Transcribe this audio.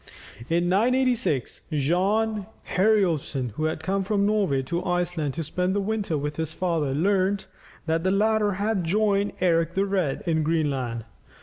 In 986 Bjarn Heriulfson, who had come from Norway to Iceland to spend the winter with his father, learnt that the latter had joined Eric the Red in Greenland.